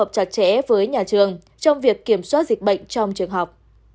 trẻ với nhà trường trong việc kiểm soát dịch bệnh trong trường học